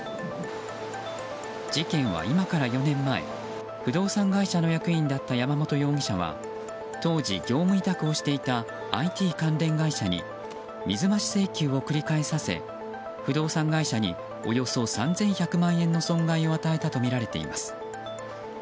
事件は、今から４年前不動産会社の役員だった山本容疑者は当時、業務委託をしていたＩＴ関連会社に水増し請求を繰り返させ不動産会社におよそ３１００万円の損害を与えたとみられています。